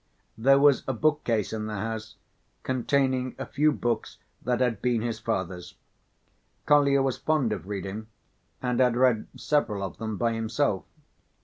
There was a bookcase in the house containing a few books that had been his father's. Kolya was fond of reading, and had read several of them by himself.